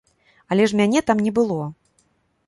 Але ж мяне там не было.